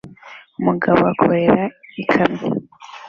Umugabo akorera ikamyo